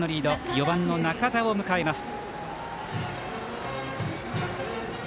４番の仲田を迎えます。